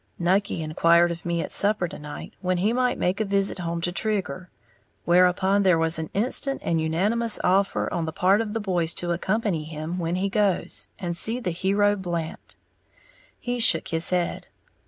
Nucky inquired of me at supper to night when he might make a visit home to Trigger; whereupon there was an instant and unanimous offer on the part of the boys to accompany him, when he goes, and see the hero Blant. He shook his head.